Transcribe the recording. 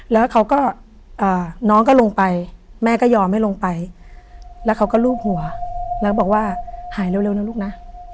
แล้วเขาก็น้องก็ลงไปแม่ก็ยอมให้ลงไปแล้วเขาก็ลูบหัวแล้วบอกว่าหายเร็วนะลูกนะ